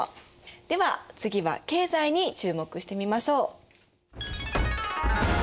では次は経済に注目してみましょう。